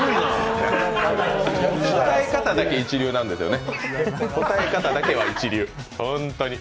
答え方だけ一流なんですよね。